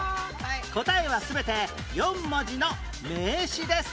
答えは全て４文字の名詞です